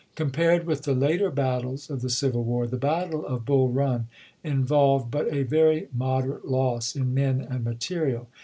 Compared with the later battles of the civil war, the battle of Bull Run involved but a very moder ate loss in men and material.